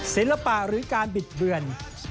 ศิลปะหรือการบิดเบือน